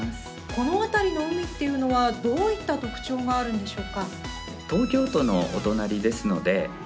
この辺りの海っていうのはどういった特徴があるんでしょうか？